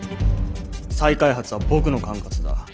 再開発は僕の管轄だ！